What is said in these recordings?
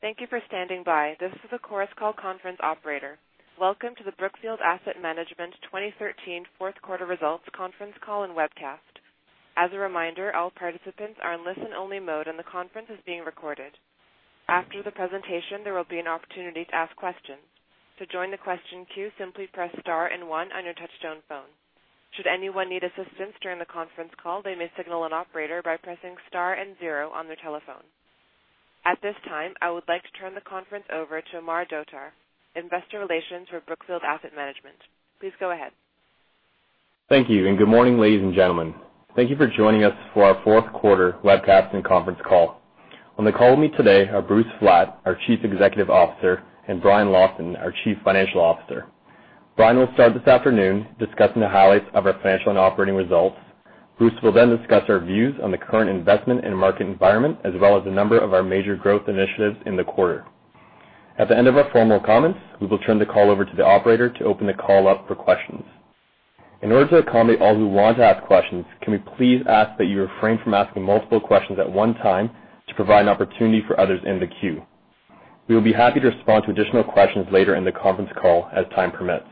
Thank you for standing by. This is the Chorus Call conference operator. Welcome to the Brookfield Asset Management 2013 fourth quarter results conference call and webcast. As a reminder, all participants are in listen-only mode, and the conference is being recorded. After the presentation, there will be an opportunity to ask questions. To join the question queue, simply press star and one on your touchtone phone. Should anyone need assistance during the conference call, they may signal an operator by pressing star and zero on their telephone. At this time, I would like to turn the conference over to Amar Dhotar, Investor Relations for Brookfield Asset Management. Please go ahead. Thank you. Good morning, ladies and gentlemen. Thank you for joining us for our fourth quarter webcast and conference call. On the call with me today are Bruce Flatt, our Chief Executive Officer, and Brian Lawson, our Chief Financial Officer. Brian will start this afternoon discussing the highlights of our financial and operating results. Bruce will then discuss our views on the current investment and market environment, as well as a number of our major growth initiatives in the quarter. At the end of our formal comments, we will turn the call over to the operator to open the call up for questions. In order to accommodate all who want to ask questions, can we please ask that you refrain from asking multiple questions at one time to provide an opportunity for others in the queue. We will be happy to respond to additional questions later in the conference call as time permits.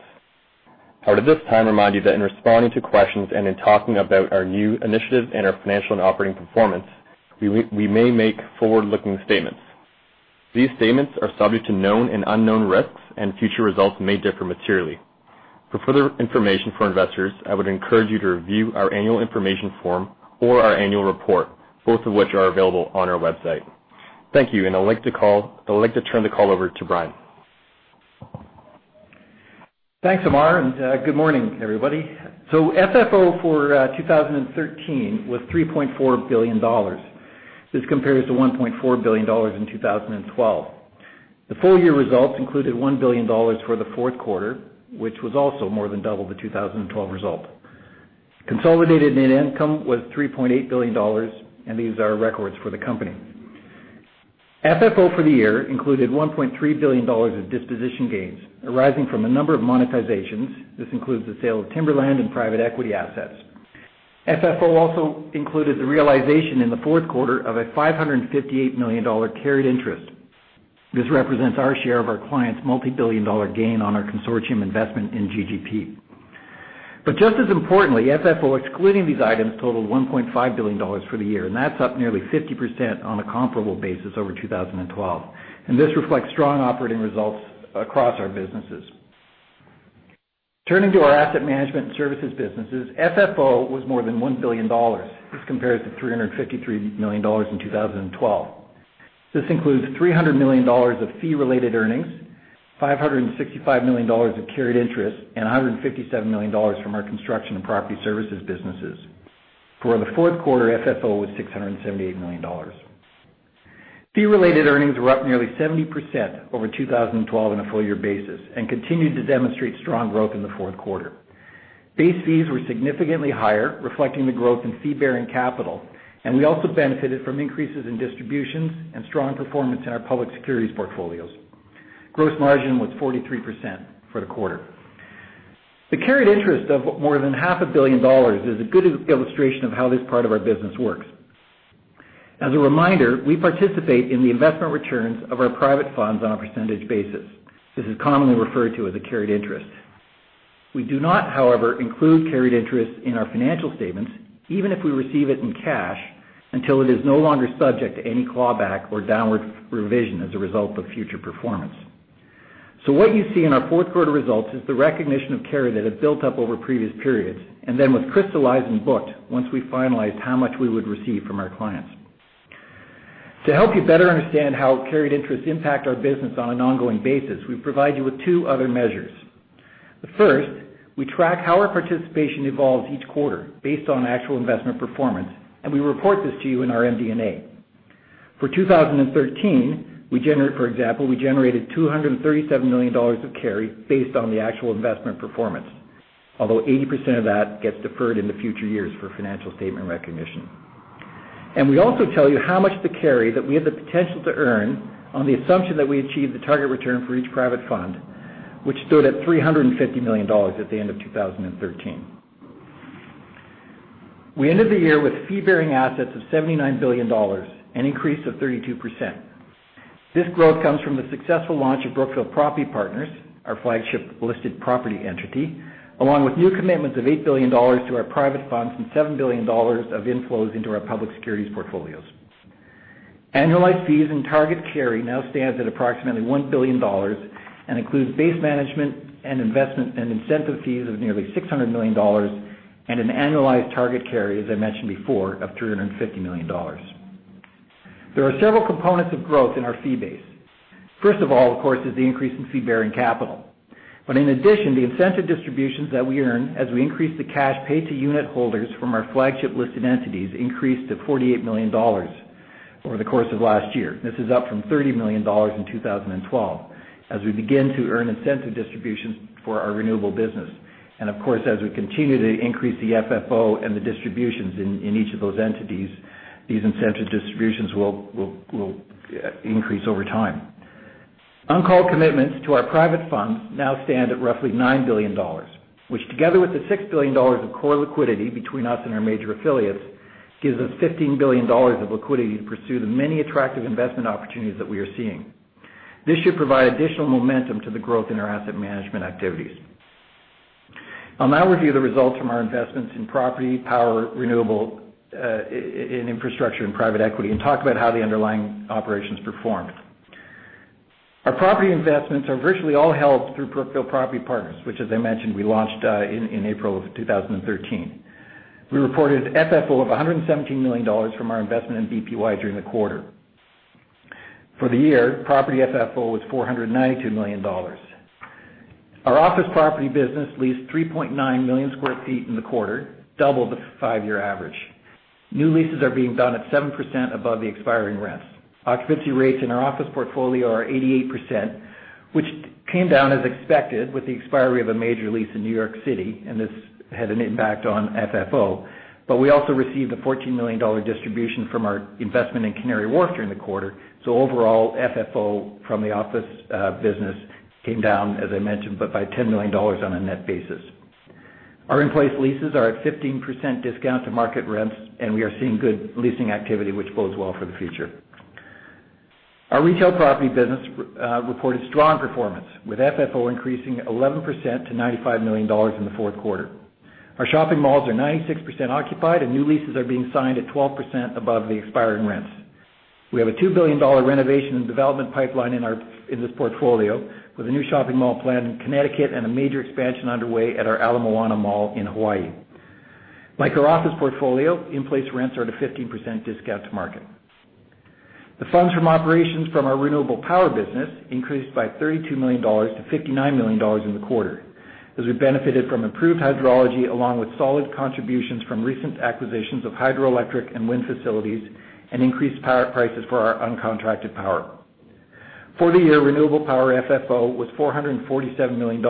I would, at this time, remind you that in responding to questions and in talking about our new initiatives and our financial and operating performance, we may make forward-looking statements. These statements are subject to known and unknown risks, and future results may differ materially. For further information for investors, I would encourage you to review our annual information form or our annual report, both of which are available on our website. Thank you. I'd like to turn the call over to Brian. Thanks, Amar. Good morning, everybody. FFO for 2013 was $3.4 billion. This compares to $1.4 billion in 2012. The full-year results included $1 billion for the fourth quarter, which was also more than double the 2012 result. Consolidated net income was $3.8 billion. These are records for the company. FFO for the year included $1.3 billion of disposition gains arising from a number of monetizations. This includes the sale of timberland and private equity assets. FFO also included the realization in the fourth quarter of a $558 million carried interest. This represents our share of our client's multibillion-dollar gain on our consortium investment in GGP. Just as importantly, FFO, excluding these items, totaled $1.5 billion for the year, and that's up nearly 50% on a comparable basis over 2012. This reflects strong operating results across our businesses. Turning to our asset management services businesses, FFO was more than $1 billion. This compares to $353 million in 2012. This includes $300 million of fee-related earnings, $565 million of carried interest, and $157 million from our construction and property services businesses. For the fourth quarter, FFO was $678 million. Fee-related earnings were up nearly 70% over 2012 on a full-year basis and continued to demonstrate strong growth in the fourth quarter. Base fees were significantly higher, reflecting the growth in fee-bearing capital, and we also benefited from increases in distributions and strong performance in our public securities portfolios. Gross margin was 43% for the quarter. The carried interest of more than half a billion dollars is a good illustration of how this part of our business works. As a reminder, we participate in the investment returns of our private funds on a percentage basis. This is commonly referred to as a carried interest. We do not, however, include carried interest in our financial statements, even if we receive it in cash, until it is no longer subject to any clawback or downward revision as a result of future performance. What you see in our fourth quarter results is the recognition of carry that had built up over previous periods and then was crystallized and booked once we finalized how much we would receive from our clients. To help you better understand how carried interests impact our business on an ongoing basis, we provide you with two other measures. The first, we track how our participation evolves each quarter based on actual investment performance, and we report this to you in our MD&A. For 2013, for example, we generated $237 million of carry based on the actual investment performance, although 80% of that gets deferred into future years for financial statement recognition. We also tell you how much of the carry that we have the potential to earn on the assumption that we achieve the target return for each private fund, which stood at $350 million at the end of 2013. We ended the year with fee-bearing assets of $79 billion, an increase of 32%. This growth comes from the successful launch of Brookfield Property Partners, our flagship listed property entity, along with new commitments of $8 billion to our private funds and $7 billion of inflows into our public securities portfolios. Annualized fees and target carry now stands at approximately $1 billion and includes base management and investment and incentive fees of nearly $600 million and an annualized target carry, as I mentioned before, of $350 million. There are several components of growth in our fee base. First of all, of course, is the increase in fee-bearing capital. In addition, the incentive distributions that we earn as we increase the cash paid to unit holders from our flagship listed entities increased to $48 million over the course of last year. This is up from $30 million in 2012 as we begin to earn incentive distributions for our renewable business. Of course, as we continue to increase the FFO and the distributions in each of those entities, these incentive distributions will increase over time. Uncalled commitments to our private funds now stand at roughly $9 billion, which together with the $6 billion of core liquidity between us and our major affiliates, gives us $15 billion of liquidity to pursue the many attractive investment opportunities that we are seeing. This should provide additional momentum to the growth in our asset management activities. I'll now review the results from our investments in property, power, renewable, and infrastructure and private equity, and talk about how the underlying operations performed. Our property investments are virtually all held through Brookfield Property Partners, which as I mentioned, we launched in April of 2013. We reported FFO of $117 million from our investment in BPY during the quarter. For the year, property FFO was $492 million. Our office property business leased 3.9 million sq ft in the quarter, double the five-year average. New leases are being done at 7% above the expiring rents. Occupancy rates in our office portfolio are 88%, which came down as expected with the expiry of a major lease in New York City, and this had an impact on FFO. We also received a $14 million distribution from our investment in Canary Wharf during the quarter. Overall, FFO from the office business came down, as I mentioned, but by $10 million on a net basis. Our in-place leases are at 15% discount to market rents, and we are seeing good leasing activity, which bodes well for the future. Our retail property business reported strong performance, with FFO increasing 11% to $95 million in the fourth quarter. Our shopping malls are 96% occupied and new leases are being signed at 12% above the expiring rents. We have a $2 billion renovation and development pipeline in this portfolio, with a new shopping mall planned in Connecticut and a major expansion underway at our Ala Moana Center in Hawaii. Like our office portfolio, in-place rents are at a 15% discount to market. The funds from operations from our renewable power business increased by $32 million to $59 million in the quarter, as we benefited from improved hydrology, along with solid contributions from recent acquisitions of hydroelectric and wind facilities, and increased power prices for our uncontracted power. For the year, renewable power FFO was $447 million,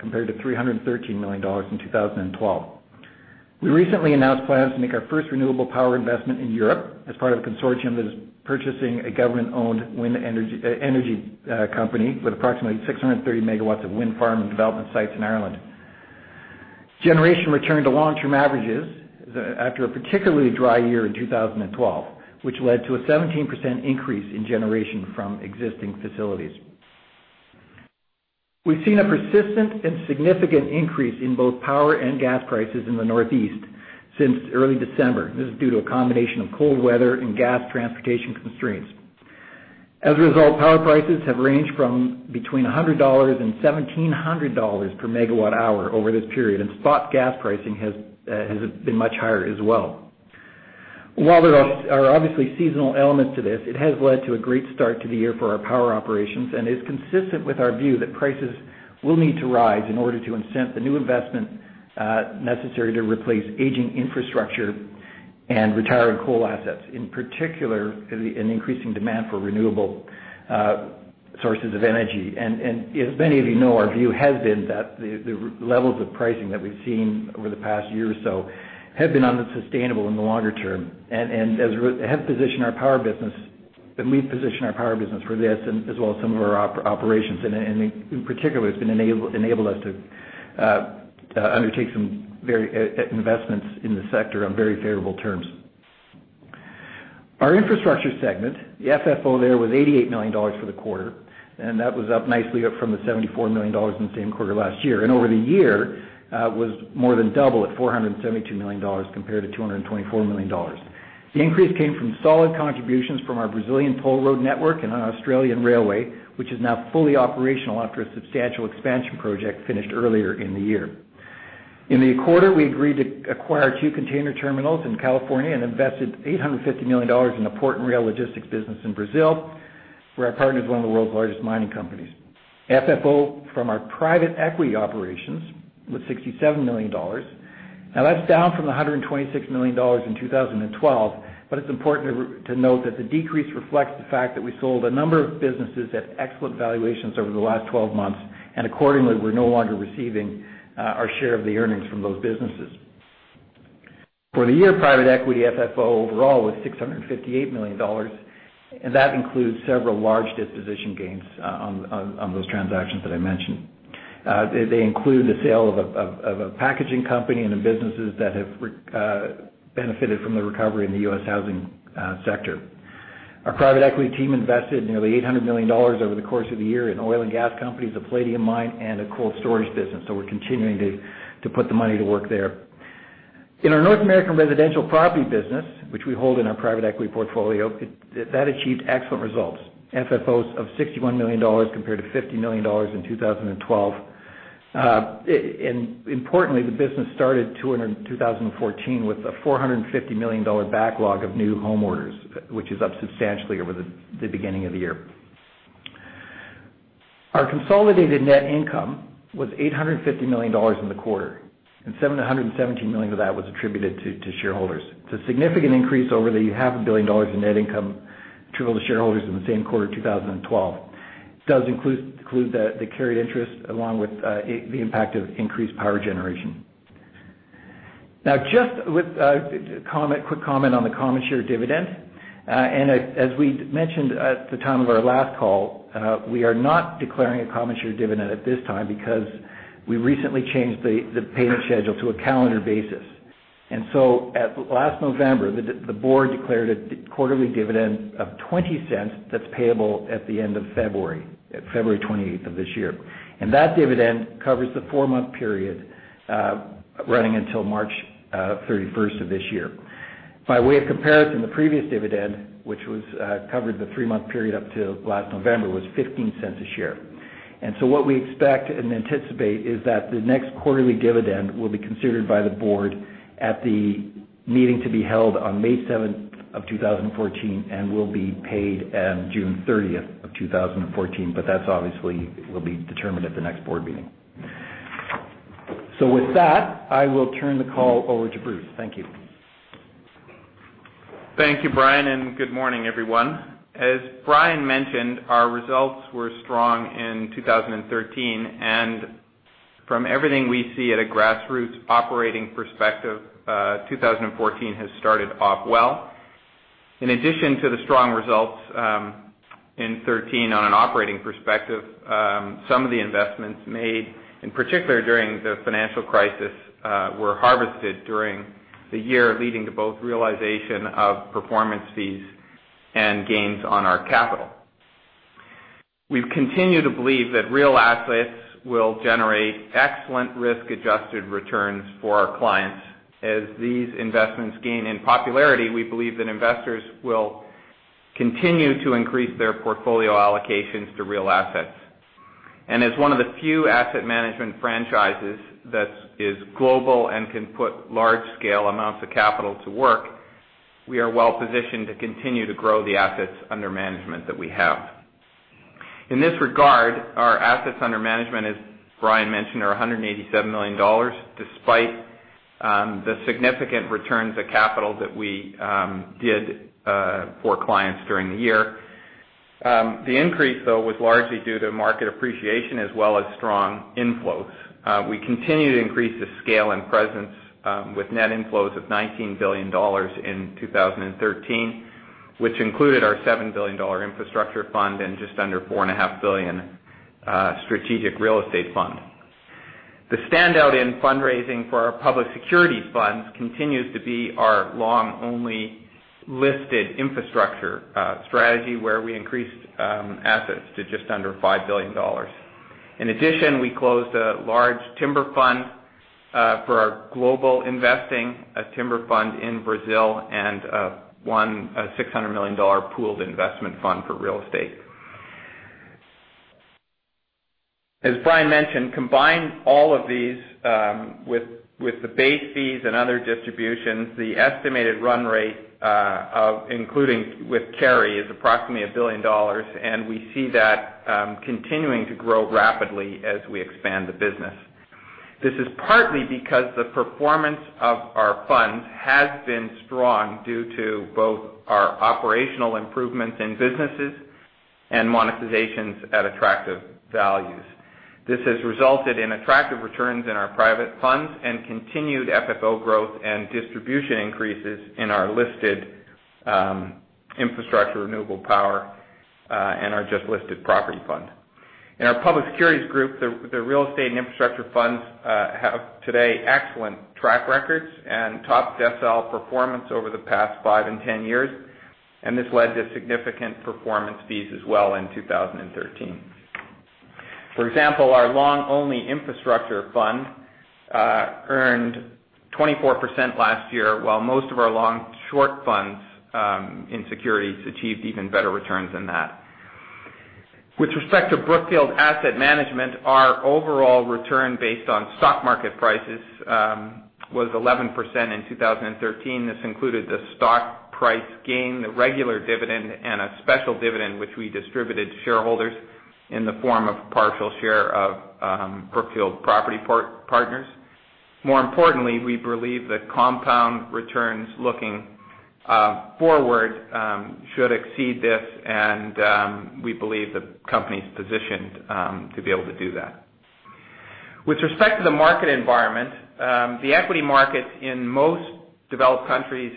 compared to $313 million in 2012. We recently announced plans to make our first renewable power investment in Europe as part of a consortium that is purchasing a government-owned wind energy company with approximately 630 megawatts of wind farm and development sites in Ireland. Generation returned to long-term averages after a particularly dry year in 2012, which led to a 17% increase in generation from existing facilities. We've seen a persistent and significant increase in both power and gas prices in the Northeast since early December. This is due to a combination of cold weather and gas transportation constraints. As a result, power prices have ranged from between $100 and $1,700 per megawatt hour over this period, and spot gas pricing has been much higher as well. While there are obviously seasonal elements to this, it has led to a great start to the year for our power operations and is consistent with our view that prices will need to rise in order to incent the new investment necessary to replace aging infrastructure and retiring coal assets, in particular, in increasing demand for renewable sources of energy. As many of you know, our view has been that the levels of pricing that we've seen over the past year or so have been unsustainable in the longer term. Have positioned our power business for this, as well as some of our operations. In particular, it's enabled us to undertake some investments in the sector on very favorable terms. Our infrastructure segment, the FFO there was $88 million for the quarter. That was up nicely from the $74 million in the same quarter last year. Over the year, was more than double at $472 million compared to $224 million. The increase came from solid contributions from our Brazilian toll road network and our Australian railway, which is now fully operational after a substantial expansion project finished earlier in the year. In the quarter, we agreed to acquire two container terminals in California and invested $850 million in a port and rail logistics business in Brazil, where our partner is one of the world's largest mining companies. FFO from our private equity operations was $67 million. That's down from the $126 million in 2012, but it's important to note that the decrease reflects the fact that we sold a number of businesses at excellent valuations over the last 12 months. Accordingly, we're no longer receiving our share of the earnings from those businesses. For the year, private equity FFO overall was $658 million. That includes several large disposition gains on those transactions that I mentioned. They include the sale of a packaging company and the businesses that have benefited from the recovery in the U.S. housing sector. Our private equity team invested nearly $800 million over the course of the year in oil and gas companies, a palladium mine, and a cold storage business. We're continuing to put the money to work there. In our North American residential property business, which we hold in our private equity portfolio, that achieved excellent results. FFO of $61 million compared to $50 million in 2012. Importantly, the business started 2014 with a $450 million backlog of new home orders, which is up substantially over the beginning of the year. Our consolidated net income was $850 million in the quarter. $717 million of that was attributed to shareholders. It's a significant increase over the half a billion dollars in net income attributable to shareholders in the same quarter 2012. This does include the carried interest along with the impact of increased power generation. Just a quick comment on the common share dividend. As we mentioned at the time of our last call, we are not declaring a common share dividend at this time because we recently changed the payment schedule to a calendar basis. Last November, the board declared a quarterly dividend of $0.20 that's payable at the end of February 28th of this year. That dividend covers the four-month period running until March 31st of this year. By way of comparison, the previous dividend, which covered the three-month period up to last November, was $0.15 a share. What we expect and anticipate is that the next quarterly dividend will be considered by the board at the meeting to be held on May 7th of 2014 and will be paid on June 30th of 2014. That obviously will be determined at the next board meeting. With that, I will turn the call over to Bruce. Thank you. Thank you, Brian, and good morning, everyone. As Brian mentioned, our results were strong in 2013, and from everything we see at a grassroots operating perspective, 2014 has started off well. In addition to the strong results in 2013 on an operating perspective, some of the investments made, in particular during the financial crisis, were harvested during the year, leading to both realization of performance fees and gains on our capital. We continue to believe that real assets will generate excellent risk-adjusted returns for our clients. As these investments gain in popularity, we believe that investors will continue to increase their portfolio allocations to real assets. As one of the few asset management franchises that is global and can put large-scale amounts of capital to work, we are well-positioned to continue to grow the assets under management that we have. In this regard, our assets under management, as Brian mentioned, are $187 million, despite the significant returns of capital that we did for clients during the year. The increase, though, was largely due to market appreciation as well as strong inflows. We continue to increase the scale and presence with net inflows of $19 billion in 2013, which included our $7 billion infrastructure fund and just under $4.5 billion strategic real estate fund. The standout in fundraising for our public securities funds continues to be our long-only listed infrastructure strategy, where we increased assets to just under $5 billion. In addition, we closed a large timber fund for our global investing, a timber fund in Brazil, and won a $600 million pooled investment fund for real estate. As Brian mentioned, combine all of these with the base fees and other distributions, the estimated run rate including with carry is approximately $1 billion, and we see that continuing to grow rapidly as we expand the business. This is partly because the performance of our funds has been strong due to both our operational improvements in businesses and monetizations at attractive values. This has resulted in attractive returns in our private funds and continued FFO growth and distribution increases in our listed infrastructure, renewable power, and our just listed property fund. In our public securities group, the real estate and infrastructure funds have today excellent track records and top decile performance over the past five and 10 years. This led to significant performance fees as well in 2013. For example, our long-only infrastructure fund earned 24% last year, while most of our long-short funds in securities achieved even better returns than that. With respect to Brookfield Asset Management, our overall return based on stock market prices was 11% in 2013. This included the stock price gain, the regular dividend, and a special dividend which we distributed to shareholders in the form of a partial share of Brookfield Property Partners. More importantly, we believe that compound returns looking forward should exceed this, and we believe the company's positioned to be able to do that. With respect to the market environment, the equity markets in most developed countries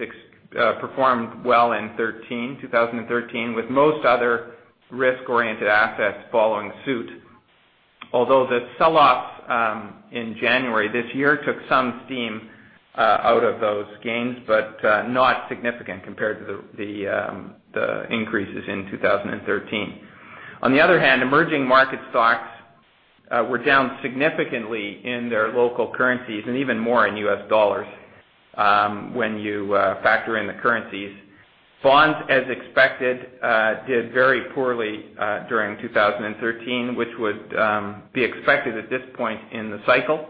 performed well in 2013, with most other risk-oriented assets following suit. Although the sell-off in January this year took some steam out of those gains, but not significant compared to the increases in 2013. On the other hand, emerging market stocks were down significantly in their local currencies and even more in U.S. dollars when you factor in the currencies. Bonds, as expected, did very poorly during 2013, which would be expected at this point in the cycle.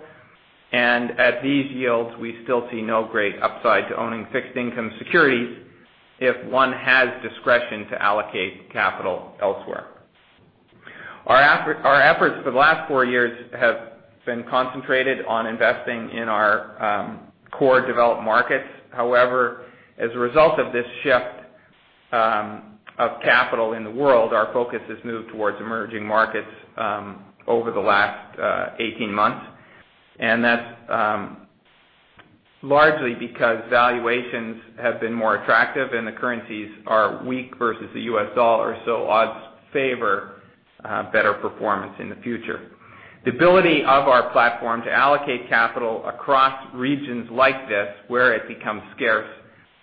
At these yields, we still see no great upside to owning fixed-income securities if one has discretion to allocate capital elsewhere. Our efforts for the last four years have been concentrated on investing in our core developed markets. However, as a result of this shift of capital in the world, our focus has moved towards emerging markets over the last 18 months. That's largely because valuations have been more attractive and the currencies are weak versus the U.S. dollar, odds favor better performance in the future. The ability of our platform to allocate capital across regions like this, where it becomes scarce,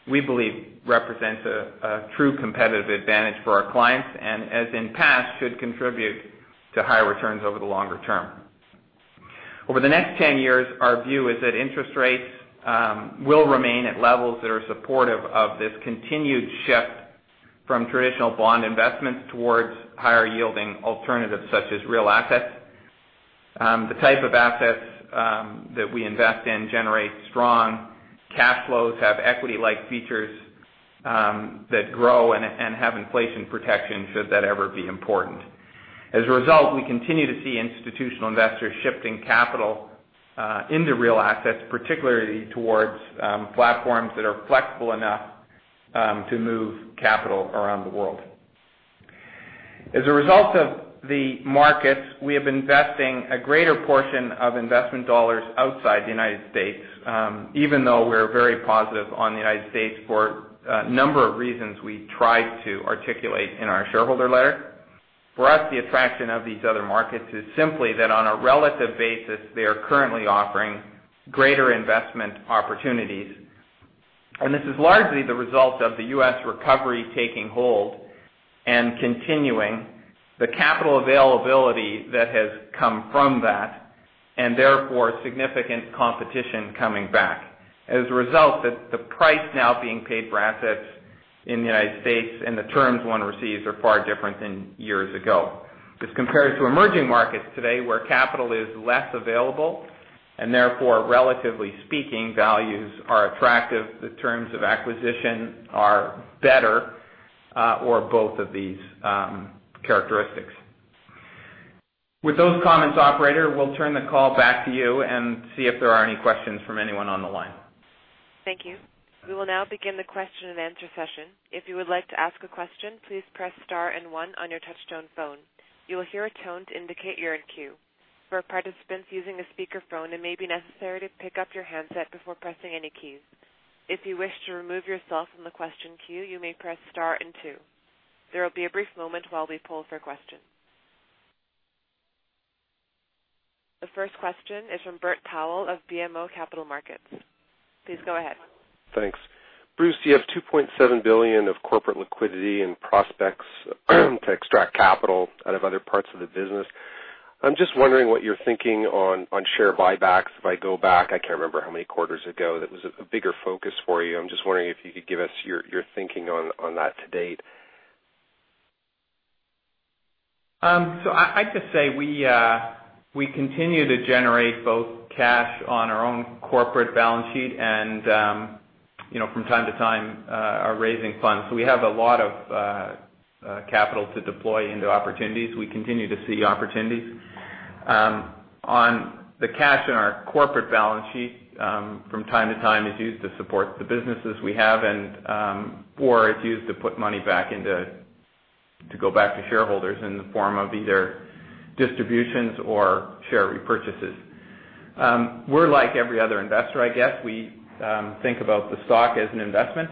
we believe represents a true competitive advantage for our clients, and as in past, should contribute to higher returns over the longer term. Over the next 10 years, our view is that interest rates will remain at levels that are supportive of this continued shift from traditional bond investments towards higher yielding alternatives, such as real assets. The type of assets that we invest in generate strong cash flows, have equity-like features that grow and have inflation protection, should that ever be important. As a result, we continue to see institutional investors shifting capital into real assets, particularly towards platforms that are flexible enough to move capital around the world. As a result of the markets, we have been investing a greater portion of investment dollars outside the United States. Even though we're very positive on the United States for a number of reasons we tried to articulate in our shareholder letter. For us, the attraction of these other markets is simply that on a relative basis, they are currently offering greater investment opportunities. This is largely the result of the U.S. recovery taking hold and continuing the capital availability that has come from that, therefore significant competition coming back. As a result, the price now being paid for assets in the United States and the terms one receives are far different than years ago. This compares to emerging markets today where capital is less available, therefore relatively speaking, values are attractive, the terms of acquisition are better, or both of these characteristics. With those comments, operator, we'll turn the call back to you and see if there are any questions from anyone on the line. Thank you. We will now begin the question and answer session. If you would like to ask a question, please press star and one on your touch tone phone. You will hear a tone to indicate you're in queue. For participants using a speaker phone, it may be necessary to pick up your handset before pressing any keys. If you wish to remove yourself from the question queue, you may press star and two. There will be a brief moment while we poll for questions. The first question is from Bert Powell of BMO Capital Markets. Please go ahead. Thanks. Bruce, you have $2.7 billion of corporate liquidity and prospects to extract capital out of other parts of the business. I'm just wondering what you're thinking on share buybacks. If I go back, I can't remember how many quarters ago that was a bigger focus for you. I'm just wondering if you could give us your thinking on that to date. I'd just say we continue to generate both cash on our own corporate balance sheet and from time to time, are raising funds. We have a lot of capital to deploy into opportunities. We continue to see opportunities. On the cash in our corporate balance sheet, from time to time, is used to support the businesses we have, or it's used to put money back in to go back to shareholders in the form of either distributions or share repurchases. We're like every other investor, I guess. We think about the stock as an investment,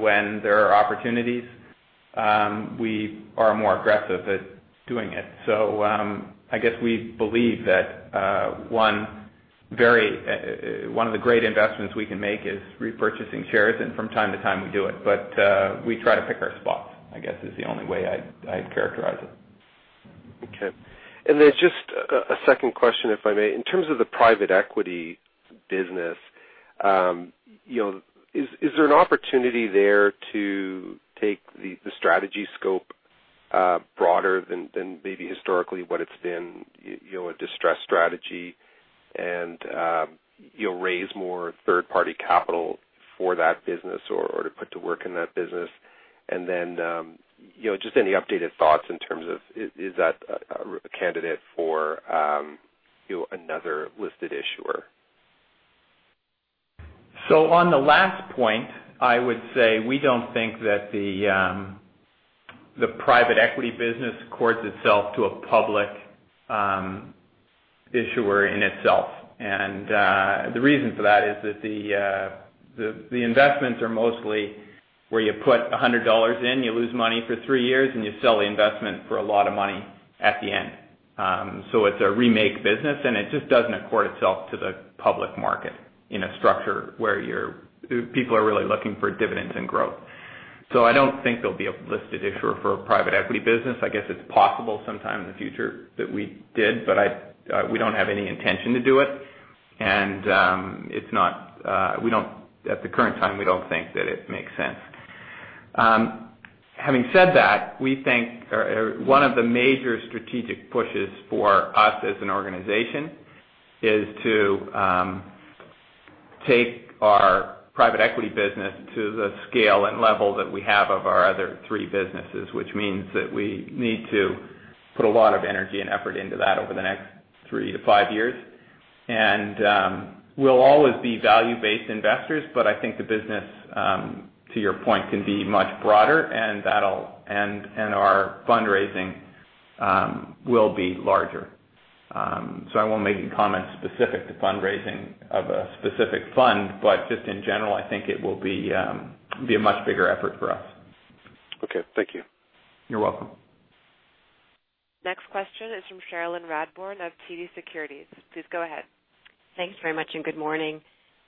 when there are opportunities, we are more aggressive at doing it. I guess we believe that one of the great investments we can make is repurchasing shares, from time to time we do it. We try to pick our spots, I guess is the only way I'd characterize it. Okay. Just a second question, if I may. In terms of the private equity business, is there an opportunity there to take the strategy scope broader than maybe historically what it's been, a distressed strategy and raise more third-party capital for that business or to put to work in that business? Just any updated thoughts in terms of, is that a candidate for another listed issuer? On the last point, I would say we don't think that the private equity business accords itself to a public issuer in itself. The reason for that is that the investments are mostly where you put $100 in, you lose money for three years, and you sell the investment for a lot of money at the end. It's a remake business, and it just doesn't accord itself to the public market in a structure where people are really looking for dividends and growth. I don't think there'll be a listed issuer for a private equity business. I guess it's possible sometime in the future that we did. We don't have any intention to do it. At the current time, we don't think that it makes sense. Having said that, we think one of the major strategic pushes for us as an organization is to take our private equity business to the scale and level that we have of our other three businesses, which means that we need to put a lot of energy and effort into that over the next three to five years. And we'll always be value-based investors, but I think the business, to your point, can be much broader, and our fundraising will be larger. I won't make any comments specific to fundraising of a specific fund, but just in general, I think it will be a much bigger effort for us. Okay. Thank you. You're welcome. Next question is from Cherilyn Radbourne of TD Securities. Please go ahead. Thanks very much, and good morning.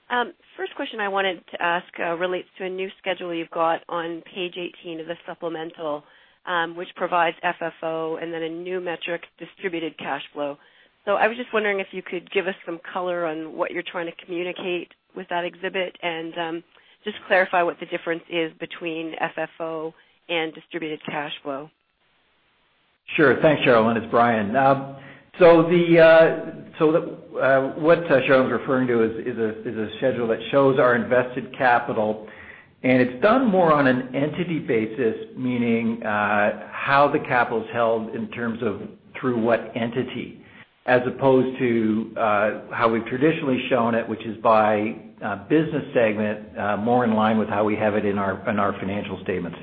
First question I wanted to ask relates to a new schedule you've got on page 18 of the supplemental, which provides FFO and then a new metric, distributed cash flow. I was just wondering if you could give us some color on what you're trying to communicate with that exhibit and just clarify what the difference is between FFO and distributed cash flow. Sure. Thanks, Cherilyn. It's Brian. What Cherilyn's referring to is a schedule that shows our invested capital, and it's done more on an entity basis, meaning, how the capital is held in terms of through what entity, as opposed to how we've traditionally shown it, which is by business segment, more in line with how we have it in our financial statements.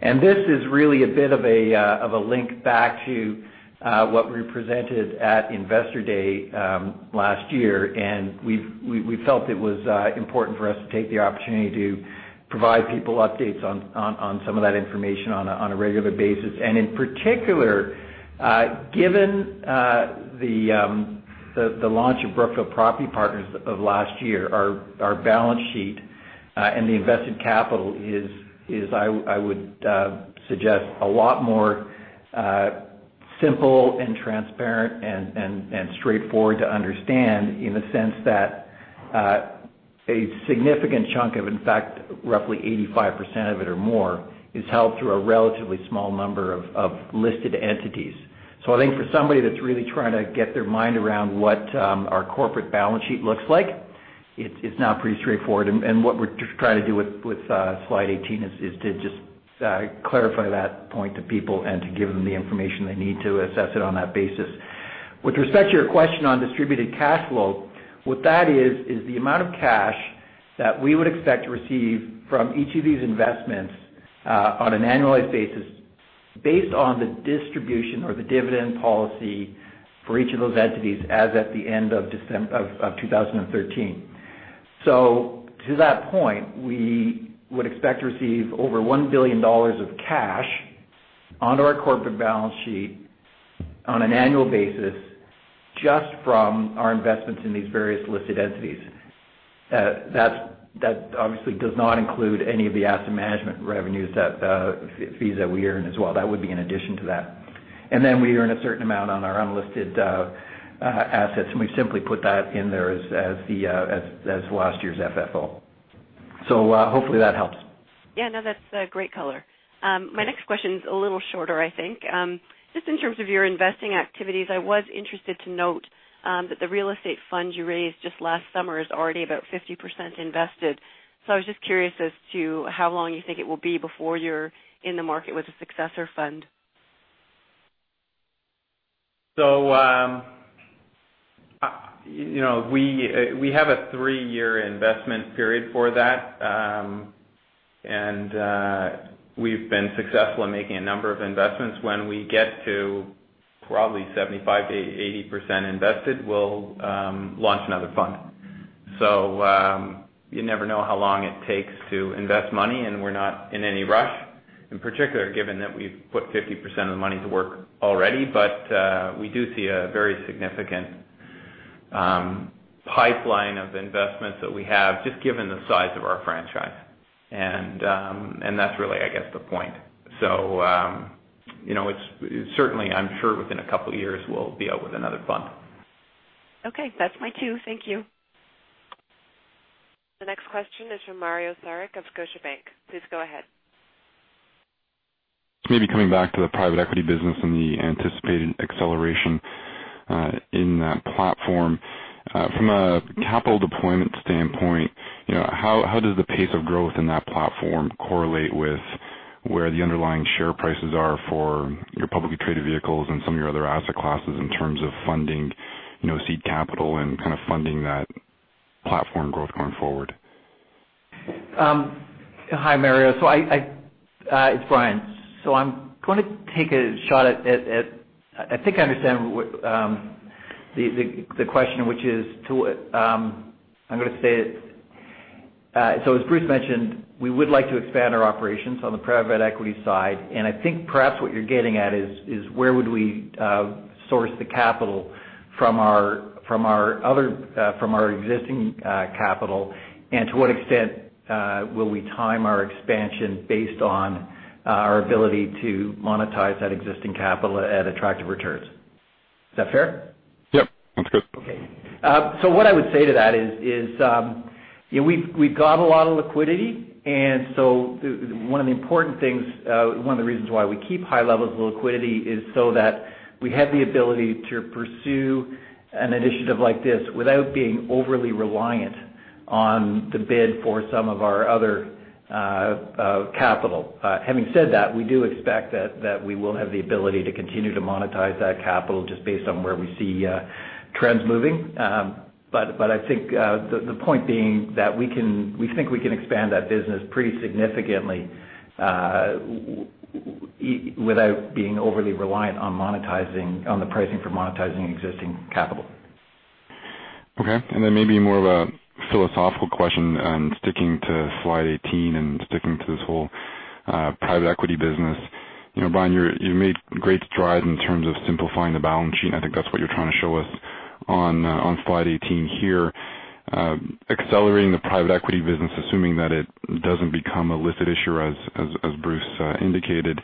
This is really a bit of a link back to what we presented at Investor Day last year. We felt it was important for us to take the opportunity to provide people updates on some of that information on a regular basis. In particular, given the launch of Brookfield Property Partners of last year, our balance sheet and the invested capital is, I would suggest, a lot more simple and transparent and straightforward to understand in the sense that a significant chunk of, in fact, roughly 85% of it or more, is held through a relatively small number of listed entities. I think for somebody that's really trying to get their mind around what our corporate balance sheet looks like, it's now pretty straightforward. What we're trying to do with slide 18 is to just clarify that point to people and to give them the information they need to assess it on that basis. With respect to your question on distributed cash flow, what that is the amount of cash that we would expect to receive from each of these investments on an annualized basis, based on the distribution or the dividend policy for each of those entities as at the end of 2013. To that point, we would expect to receive over $1 billion of cash onto our corporate balance sheet on an annual basis just from our investments in these various listed entities. That obviously does not include any of the asset management revenues, fees that we earn as well. That would be in addition to that. Then we earn a certain amount on our unlisted assets, and we simply put that in there as last year's FFO. Hopefully that helps. Yeah, no, that's great color. My next question is a little shorter, I think. Just in terms of your investing activities, I was interested to note that the real estate fund you raised just last summer is already about 50% invested. I was just curious as to how long you think it will be before you're in the market with a successor fund. We have a three-year investment period for that. We've been successful in making a number of investments. When we get to probably 75%-80% invested, we'll launch another fund. You never know how long it takes to invest money, and we're not in any rush, in particular, given that we've put 50% of the money to work already. We do see a very significant pipeline of investments that we have, just given the size of our franchise. That's really, I guess, the point. Certainly, I'm sure within a couple of years, we'll be out with another fund. Okay. That's my cue. Thank you. The next question is from Mario Saric of Scotiabank. Please go ahead. Coming back to the private equity business and the anticipated acceleration in that platform. From a capital deployment standpoint, how does the pace of growth in that platform correlate with where the underlying share prices are for your publicly traded vehicles and some of your other asset classes in terms of funding seed capital and kind of funding that platform growth going forward? Hi, Mario. It's Brian. I'm going to take a shot at I think I understand the question. As Bruce mentioned, we would like to expand our operations on the private equity side, and I think perhaps what you're getting at is where would we source the capital from our existing capital, and to what extent will we time our expansion based on our ability to monetize that existing capital at attractive returns. Is that fair? Yep. Sounds good. What I would say to that is we've got a lot of liquidity. One of the important things, one of the reasons why we keep high levels of liquidity is so that we have the ability to pursue an initiative like this without being overly reliant on the bid for some of our other capital. Having said that, we do expect that we will have the ability to continue to monetize that capital just based on where we see trends moving. I think the point being that we think we can expand that business pretty significantly without being overly reliant on the pricing for monetizing existing capital. Okay. Maybe more of a philosophical question, sticking to slide 18 and sticking to this whole private equity business. Brian, you've made great strides in terms of simplifying the balance sheet. I think that's what you're trying to show us on slide 18 here. Accelerating the private equity business, assuming that it doesn't become a listed issuer, as Bruce indicated.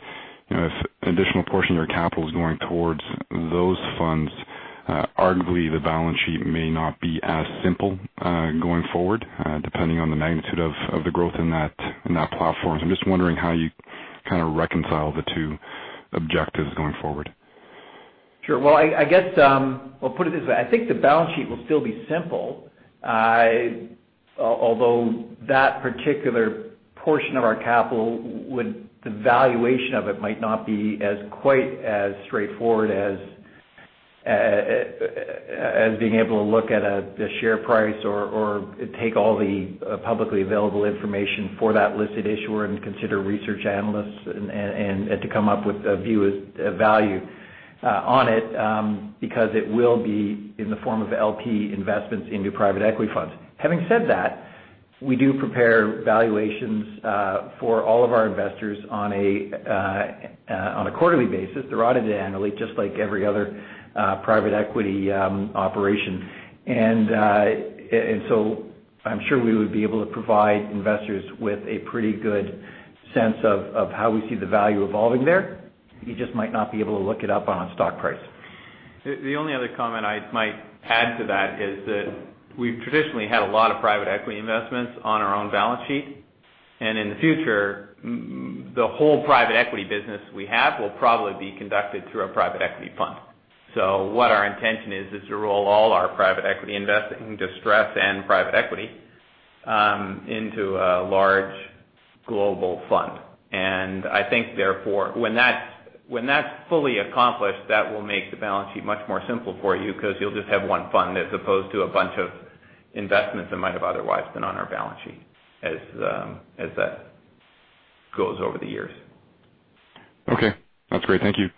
If an additional portion of your capital is going towards those funds, arguably the balance sheet may not be as simple going forward depending on the magnitude of the growth in that platform. I'm just wondering how you kind of reconcile the two objectives going forward. Sure. I guess I'll put it this way. I think the balance sheet will still be simple. Although that particular portion of our capital would, the valuation of it might not be as quite as straightforward as being able to look at the share price or take all the publicly available information for that listed issuer and consider research analysts and to come up with a view, a value on it because it will be in the form of LP investments into private equity funds. Having said that, we do prepare valuations for all of our investors on a quarterly basis, audited annually, just like every other private equity operation. I'm sure we would be able to provide investors with a pretty good sense of how we see the value evolving there. You just might not be able to look it up on a stock price. The only other comment I might add to that is that we've traditionally had a lot of private equity investments on our own balance sheet. In the future, the whole private equity business we have will probably be conducted through a private equity fund. What our intention is to roll all our private equity investing, distress and private equity into a large global fund. I think therefore, when that's fully accomplished, that will make the balance sheet much more simple for you because you'll just have one fund as opposed to a bunch of investments that might have otherwise been on our balance sheet as that goes over the years. Okay, that's great. Thank you.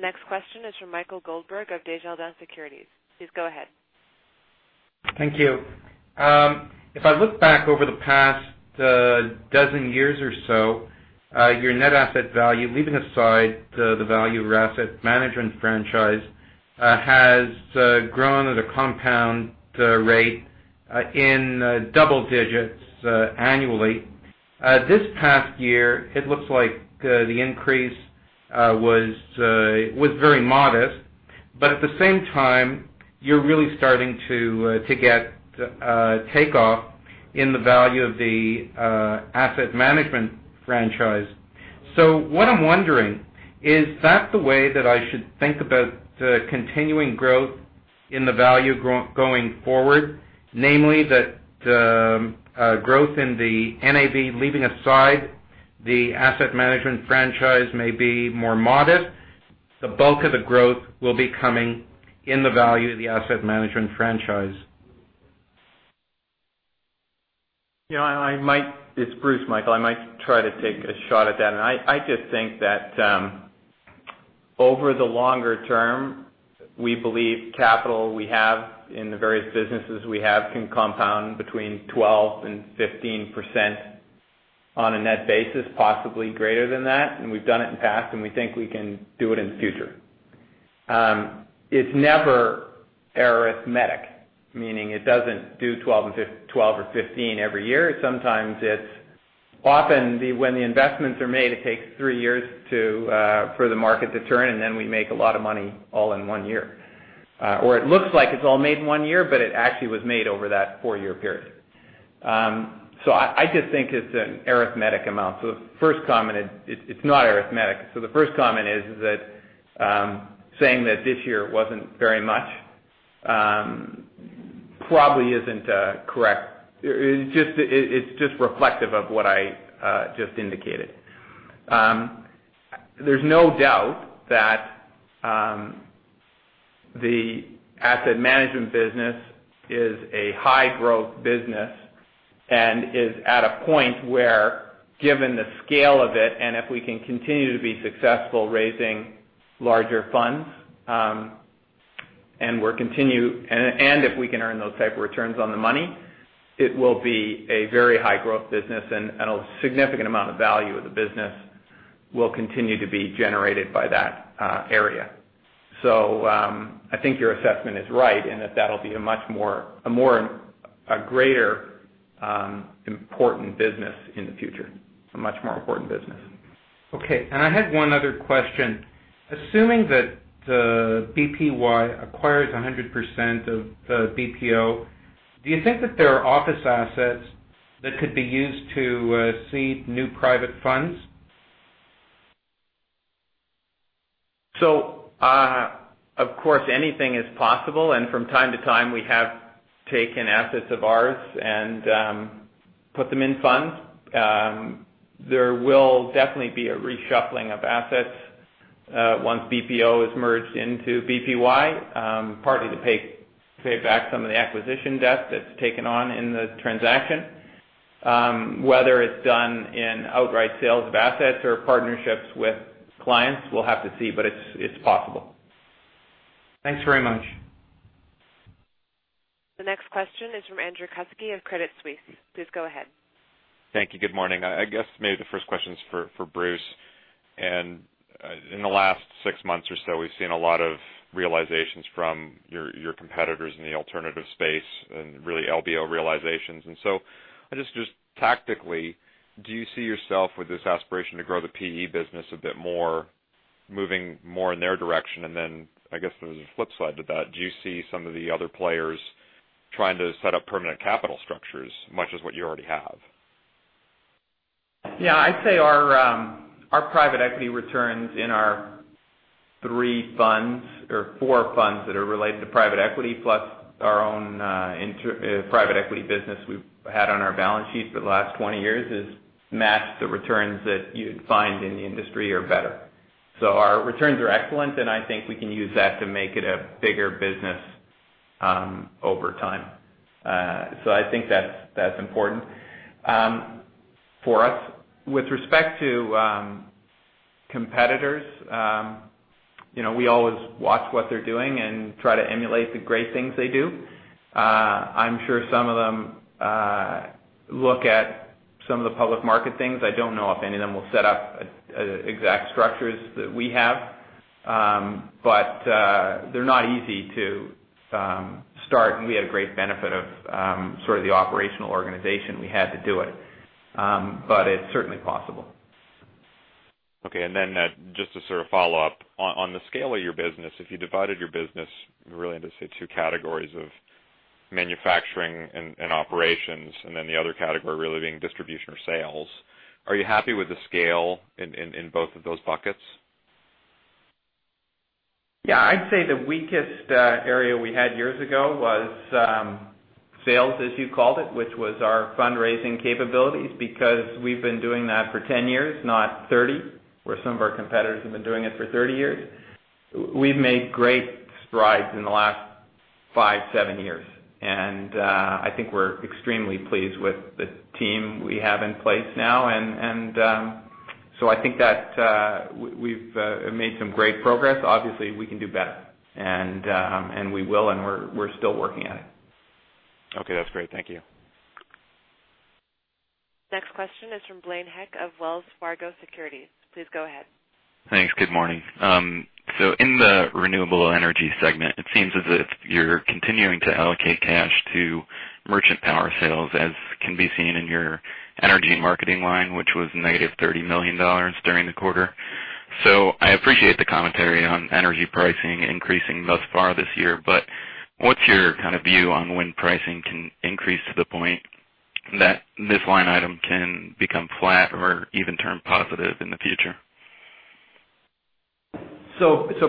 Next question is from Michael Goldberg of Desjardins Securities. Please go ahead. Thank you. If I look back over the past dozen years or so, your net asset value, leaving aside the value of your asset management franchise has grown at a compound rate in double digits annually. This past year, it looks like the increase was very modest. At the same time, you're really starting to get takeoff in the value of the asset management franchise. What I'm wondering is that the way that I should think about the continuing growth in the value going forward, namely that growth in the NAV, leaving aside the asset management franchise may be more modest. The bulk of the growth will be coming in the value of the asset management franchise. It's Bruce, Michael. I might try to take a shot at that. I just think that over the longer term, we believe capital we have in the various businesses we have can compound between 12% and 15% on a net basis, possibly greater than that. We've done it in the past, and we think we can do it in the future. It's never arithmetic, meaning it doesn't do 12 or 15 every year. Often when the investments are made, it takes three years for the market to turn, and then we make a lot of money all in one year. It looks like it's all made in one year, but it actually was made over that four-year period. I just think it's an arithmetic amount. First comment, it's not arithmetic. The first comment is that saying that this year it wasn't very much probably isn't correct. It's just reflective of what I just indicated. There's no doubt that the asset management business is a high growth business and is at a point where, given the scale of it, and if we can continue to be successful raising larger funds and if we can earn those type of returns on the money, it will be a very high growth business and a significant amount of value of the business will continue to be generated by that area. I think your assessment is right and that'll be a much more, a greater important business in the future. A much more important business. Okay. I had one other question. Assuming that the BPY acquires 100% of the BPO, do you think that there are office assets that could be used to seed new private funds? Of course, anything is possible, and from time to time, we have taken assets of ours and put them in funds. There will definitely be a reshuffling of assets once BPO is merged into BPY, partly to pay back some of the acquisition debt that's taken on in the transaction. Whether it's done in outright sales of assets or partnerships with clients, we'll have to see, but it's possible. Thanks very much. The next question is from Andrew Kuske of Credit Suisse. Please go ahead. Thank you. Good morning. I guess maybe the first question is for Bruce. In the last six months or so, we've seen a lot of realizations from your competitors in the alternative space and really LBO realizations. Just tactically, do you see yourself with this aspiration to grow the PE business a bit more, moving more in their direction? I guess there's a flip side to that. Do you see some of the other players trying to set up permanent capital structures, much as what you already have? Yeah, I'd say our private equity returns in our three funds or four funds that are related to private equity, plus our own private equity business we've had on our balance sheet for the last 20 years, has matched the returns that you'd find in the industry or better. Our returns are excellent, I think we can use that to make it a bigger business over time. I think that's important for us. With respect to competitors, we always watch what they're doing and try to emulate the great things they do. I'm sure some of them look at some of the public market things. I don't know if any of them will set up exact structures that we have. They're not easy to start, we had a great benefit of sort of the operational organization we had to do it. It's certainly possible. Okay. Just to sort of follow up. On the scale of your business, if you divided your business really into, say, two categories of manufacturing and operations, and then the other category really being distribution or sales, are you happy with the scale in both of those buckets? Yeah, I'd say the weakest area we had years ago was sales, as you called it, which was our fundraising capabilities, because we've been doing that for 10 years, not 30, where some of our competitors have been doing it for 30 years. We've made great strides in the last 5, 7 years, and I think we're extremely pleased with the team we have in place now. I think that we've made some great progress. Obviously, we can do better, and we will, and we're still working at it. Okay, that's great. Thank you. Next question is from Blaine Heck of Wells Fargo Securities. Please go ahead. Thanks. Good morning. In the renewable energy segment, it seems as if you're continuing to allocate cash to merchant power sales, as can be seen in your energy marketing line, which was negative $30 million during the quarter. I appreciate the commentary on energy pricing increasing thus far this year, what's your kind of view on when pricing can increase to the point that this line item can become flat or even turn positive in the future?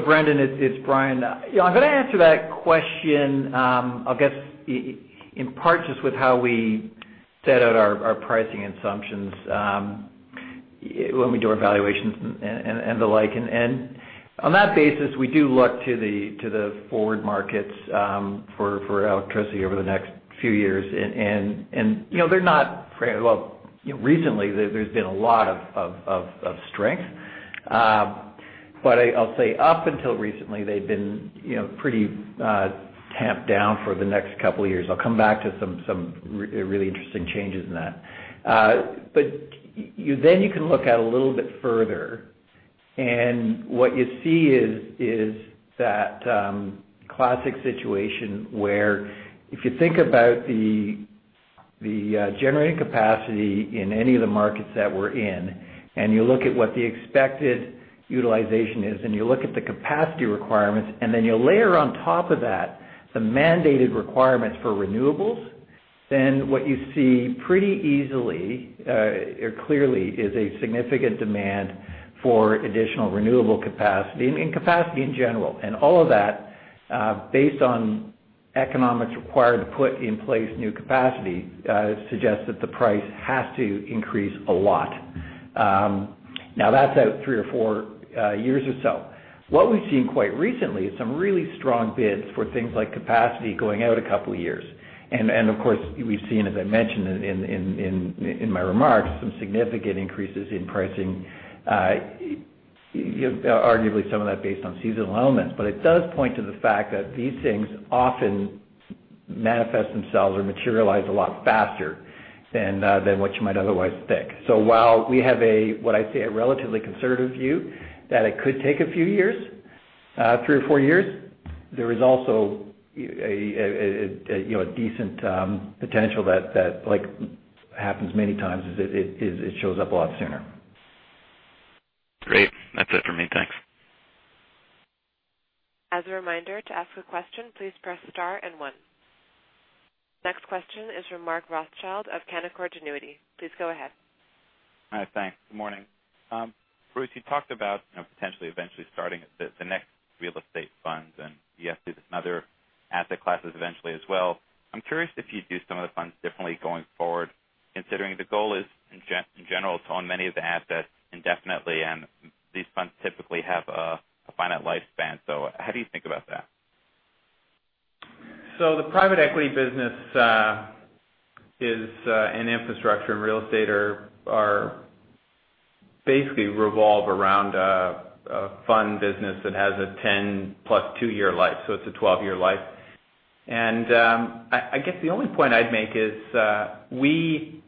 [Brendan], it's Brian. I'm going to answer that question, I guess, in part just with how we set out our pricing assumptions when we do our valuations and the like. On that basis, we do look to the forward markets for electricity over the next few years. Recently, there's been a lot of strength. I'll say up until recently, they've been pretty tamped down for the next couple of years. I'll come back to some really interesting changes in that. You can look out a little bit further, what you see is that classic situation where if you think about the generating capacity in any of the markets that we're in, you look at what the expected utilization is, you look at the capacity requirements, you layer on top of that the mandated requirements for renewables, what you see pretty easily or clearly is a significant demand for additional renewable capacity and capacity in general. All of that, based on economics required to put in place new capacity, suggests that the price has to increase a lot. Now that's out three or four years or so. What we've seen quite recently is some really strong bids for things like capacity going out a couple of years. Of course, we've seen, as I mentioned in my remarks, some significant increases in pricing, arguably some of that based on seasonal elements. It does point to the fact that these things often manifest themselves or materialize a lot faster than what you might otherwise think. While we have what I'd say a relatively conservative view that it could take a few years, three or four years, there is also a decent potential that happens many times is it shows up a lot sooner. Great. That's it for me. Thanks. As a reminder, to ask a question, please press star 1. Next question is from Mark Rothschild of Canaccord Genuity. Please go ahead. Hi, thanks. Good morning. Bruce, you talked about potentially eventually starting the next real estate funds, and you have to do some other asset classes eventually as well. I'm curious if you'd do some of the funds differently going forward, considering the goal is, in general, to own many of the assets indefinitely, and these funds typically have a finite lifespan. How do you think about that? The private equity business and infrastructure and real estate basically revolve around a fund business that has a 10-plus-2-year life, it's a 12-year life. I guess the only point I'd make is we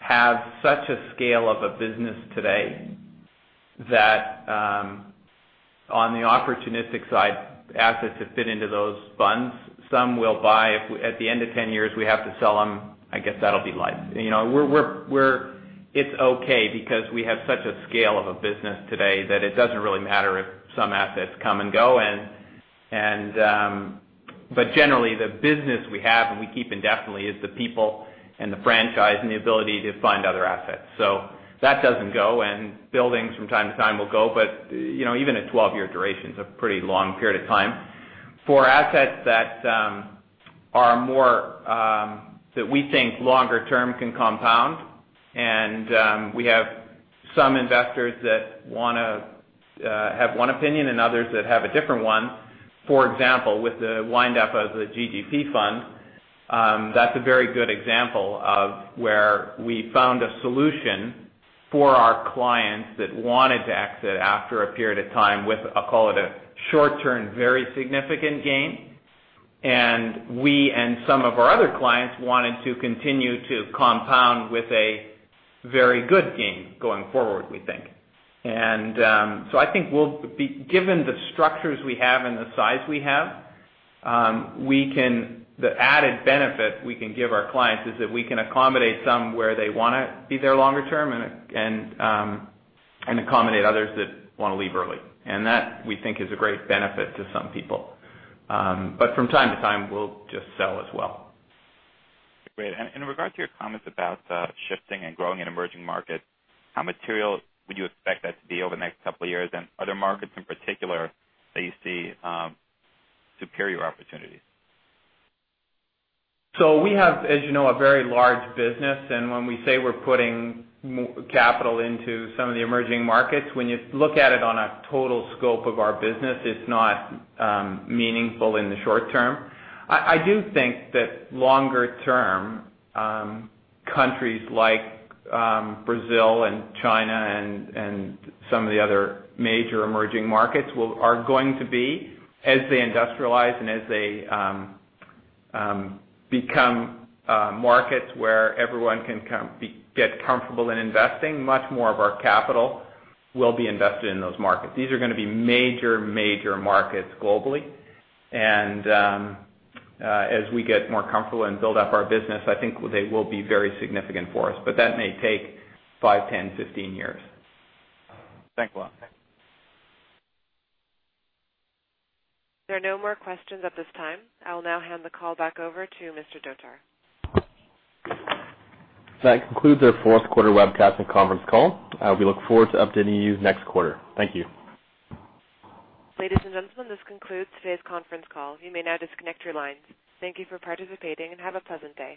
have such a scale of a business today that on the opportunistic side, assets that fit into those funds, some we'll buy. If at the end of 10 years we have to sell them, I guess that'll be life. It's okay because we have such a scale of a business today that it doesn't really matter if some assets come and go. Generally, the business we have and we keep indefinitely is the people and the franchise and the ability to find other assets. That doesn't go, and buildings from time to time will go, but even a 12-year duration is a pretty long period of time. For assets that we think longer term can compound, we have some investors that want to have one opinion and others that have a different one. For example, with the wind up of the GGP fund, that's a very good example of where we found a solution for our clients that wanted to exit after a period of time with, I'll call it, a short-term, very significant gain. We and some of our other clients wanted to continue to compound with a very good gain going forward, we think. I think given the structures we have and the size we have, the added benefit we can give our clients is that we can accommodate some where they want to be there longer term and accommodate others that want to leave early. That, we think, is a great benefit to some people. From time to time, we'll just sell as well. Great. In regard to your comments about shifting and growing in emerging markets, how material would you expect that to be over the next couple of years and other markets in particular that you see superior opportunities? We have, as you know, a very large business, and when we say we're putting capital into some of the emerging markets, when you look at it on a total scope of our business, it's not meaningful in the short term. I do think that longer term, countries like Brazil and China and some of the other major emerging markets are going to be, as they industrialize and as they become markets where everyone can get comfortable in investing, much more of our capital will be invested in those markets. These are going to be major markets globally. As we get more comfortable and build up our business, I think they will be very significant for us. That may take five, 10, 15 years. Thanks a lot. There are no more questions at this time. I'll now hand the call back over to Mr. Dhotar. That concludes our fourth quarter webcast and conference call. We look forward to updating you next quarter. Thank you. Ladies and gentlemen, this concludes today's conference call. You may now disconnect your lines. Thank you for participating and have a pleasant day.